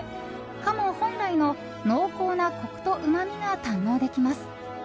鴨本来の濃厚なコクとうまみが堪能できます。